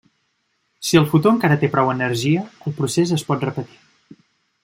Si el fotó encara té prou energia, el procés es pot repetir.